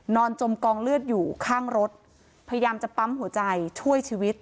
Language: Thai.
จมกองเลือดอยู่ข้างรถพยายามจะปั๊มหัวใจช่วยชีวิต